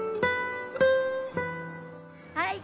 はい。